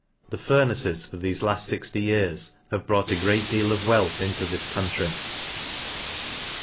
The fur naces for fhefe laft fixty years have brought a great deal of wealth into this county.